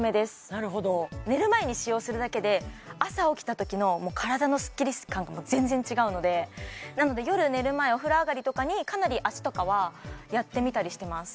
なるほど寝る前に使用するだけで朝起きたときの体のスッキリ感がもう全然違うのでなので夜寝る前お風呂上がりとかにかなり脚とかはやってみたりしてます